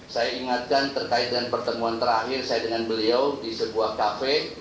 saya ingatkan terkait dengan pertemuan terakhir saya dengan beliau di sebuah kafe